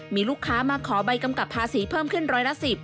มีลูกค้ามาขอใบกำกับภาษีเพิ่มขึ้นร้อยละ๑๐